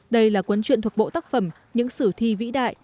đây là cuốn truyện thuộc bộ tác phẩm những sử thi vĩ đại